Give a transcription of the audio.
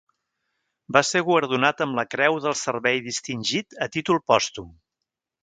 Va ser guardonat amb la Creu del Servei Distingit a títol pòstum.